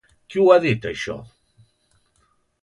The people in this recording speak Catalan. Qui ho ha dit això?